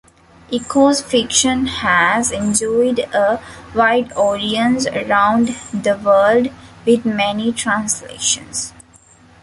Eco's fiction has enjoyed a wide audience around the world, with many translations.